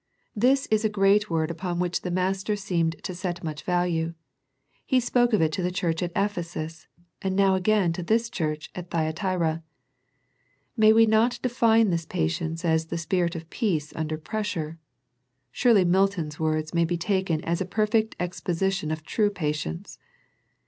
This is a great word upon which the Master seemed to set much value. He spoke of it to the church at Ephesus, and now ag^ain to this church at Thyatira. May we not define this patience as the spirit of peace under pressure. Surely Milton's words may be taken as a perfect ex position of true patience.